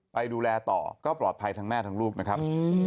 ไปดูแลต่อก็ปลอดภัยทั้งแม่ทั้งลูกนะครับ